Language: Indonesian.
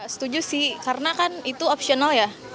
setuju sih karena kan itu optional ya